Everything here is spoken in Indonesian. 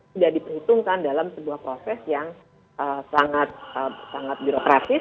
sudah diperhitungkan dalam sebuah proses yang sangat birokrasis